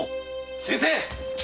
・先生！